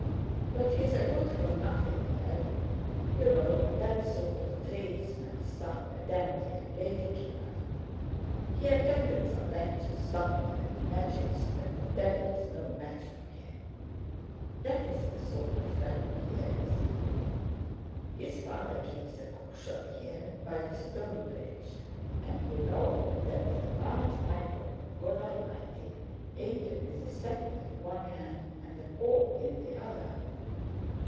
But he's a good for nothing lad! You know that sort of tradesman's son, a dandy and lady killer. He attended some lectures somewhere and imagines that the devil is no match for him. That's the sort of fellow he is. His father keeps a cookshop here by the Stone Bridge, and you know there was a large icon of God Almighty painted with a scepter in one hand and an orb in the other.